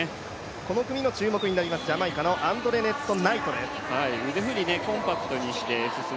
この組の注目になります、ジャマイカのアンドレネット・ナイトです。